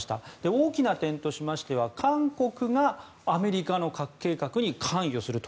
大きな点としましては韓国がアメリカの核計画に関与すると。